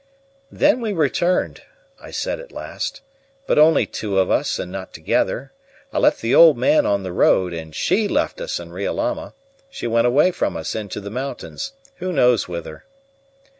"Then we returned," I said at last. "But only two of us, and not together. I left the old man on the road, and SHE left us in Riolama. She went away from us into the mountains who knows whither!"